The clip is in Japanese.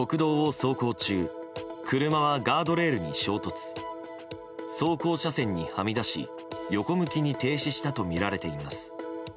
走行車線にはみ出し、横向きに停止したとみられています。